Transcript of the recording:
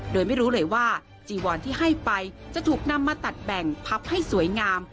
โดยไม่รู้เลยว่าจีวอนที่ให้ไปจะถูกนำมาตัดแบ่งพับให้สวยงาม